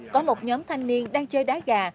có một nhóm thanh niên đang chơi đá gà